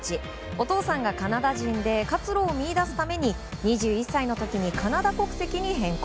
お父さんがカナダ人で活路を見いだすために２１歳の時にカナダ国籍に変更。